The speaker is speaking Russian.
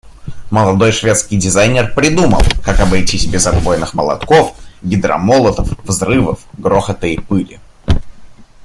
Молодой шведский дизайнер придумал, как обойтись без отбойных молотков, гидромолотов, взрывов, грохота и пыли.